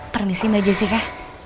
permisi mbak jessica